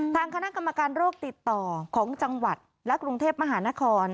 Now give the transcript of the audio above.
ทางคณะกรรมการโรคติดต่อของจังหวัดและกรุงเทพมหานคร